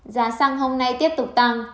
giá xăng hôm nay tiếp tục tăng